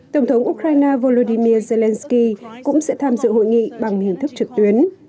tổng thống ukraine volodymyr zelensky cũng sẽ tham dự hội nghị bằng hình thức trực tuyến